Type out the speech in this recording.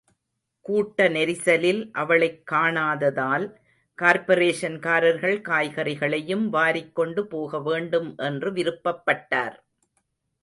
கூட்ட நெரிசலில் அவளைக் காணாததால், கார்ப்பரேஷன்காரர்கள் காய்கறிகளையும் வாரிக் கொண்டு போகவேண்டும் என்று விருப்பப்பட்டார்.